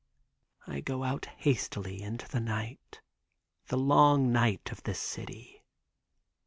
I go out hastily into the night, the long night of this city.